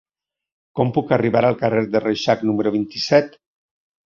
Com puc arribar al carrer de Reixac número vint-i-set?